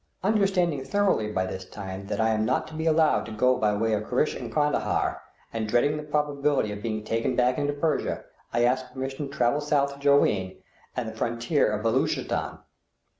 Understanding thoroughly by this time that I am not to be allowed to go through by way of Giriskh and Kandahar, and dreading the probability of being taken back into Persia, I ask permission to travel south to Jowain and the frontier of Beloochistan.